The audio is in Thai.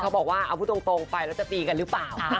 บอกว่าเอาพูดตรงไปแล้วจะตีกันหรือเปล่า